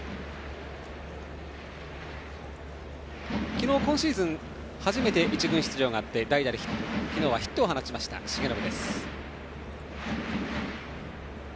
昨日、今シーズン初めて１軍出場があって代打で昨日はヒットを放った重信。